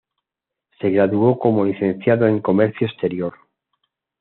Se graduó como Licenciado en Comercio Exterior.